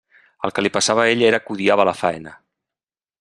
El que li passava a ell era que odiava la faena.